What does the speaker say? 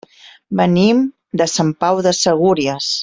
Venim de Sant Pau de Segúries.